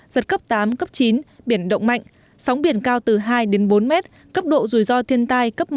giật cấp tám cấp chín biển động mạnh sóng biển cao từ hai đến bốn mét cấp độ rủi ro thiên tai cấp năm